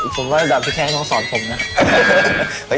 จริงผมว่าแบบพี่แท้ต้องสอนผมนะ